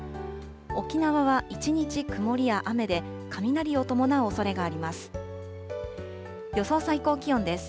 沖縄は一日、曇りや雨で、雷を伴うおそれがあります。